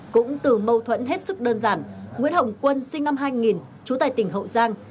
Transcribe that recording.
cũng từ mâu thuẫn hết sức đơn giản nguyễn hồng quân sinh năm hai nghìn trú tại tỉnh hậu giang